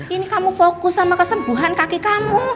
ini kamu fokus sama kesembuhan kaki kamu